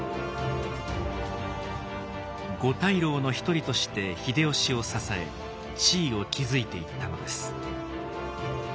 五大老の一人として秀吉を支え地位を築いていったのです。